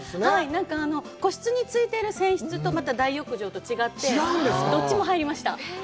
なんか個室に付いている泉質とまた大浴場と違って、どっちも入りました。